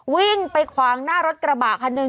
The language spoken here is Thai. วิ่งไปขวางหน้ารถกระบะคันหนึ่ง